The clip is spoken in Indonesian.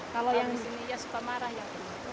kalau yang disini ya suka marah yang punya